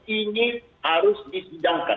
ini harus disidangkan